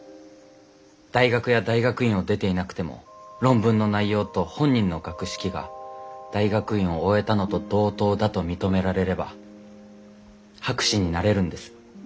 大学や大学院を出ていなくても論文の内容と本人の学識が大学院を終えたのと同等だと認められれば博士になれるんです。